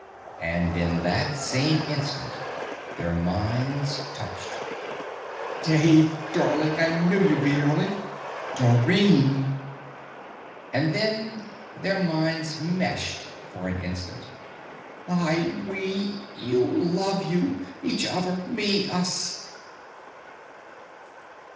And in that same instant, their minds touched. Dave, darling! I knew you'd be early! Dorrine! And then their minds meshed for an instant. I (we) you LOVE you (each other) me! us!